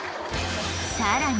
さらに